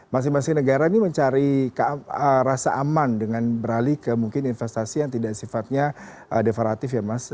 masing masing negara ini mencari rasa aman dengan beralih ke mungkin investasi yang tidak sifatnya devaratif ya mas